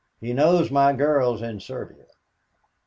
He knows my girl's in Serbia.